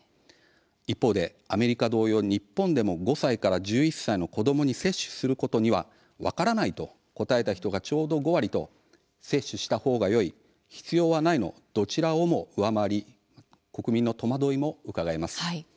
一方でアメリカ同様、日本でも５歳から１１歳の子どもに接種することには、分からないと答えた人がちょうど５割と接種したほうがよい必要はないのどちらをも上回り国民の戸惑いもうかがえます。